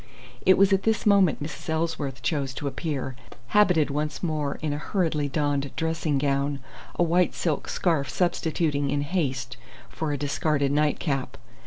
It was at this moment Mrs. Ellsworth chose to appear, habited once more in a hurriedly donned dressing gown, a white silk scarf substituted in haste for a discarded nightcap.